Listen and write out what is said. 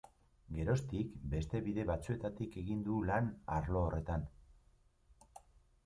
Geroztik, beste bide batzuetatik egin du lan arlo horretan.